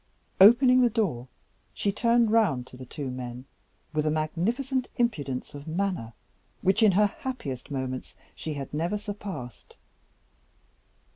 Opening the door, she turned round to the two men, with a magnificent impudence of manner which in her happiest moments she had never surpassed.